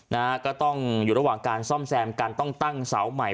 นะฮะก็ต้องอยู่ระหว่างการซ่อมแซมกันต้องตั้งเสาใหม่